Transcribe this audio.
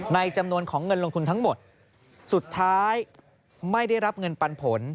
ในจำนวนของเงินลงทุนทั้งหมดสุดท้ายไม่ได้รับเงินปันผล